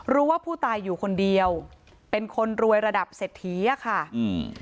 รู้ว่าผู้ตายอยู่คนเดียวเป็นคนรวยระดับเศรษฐีอ่ะค่ะอืม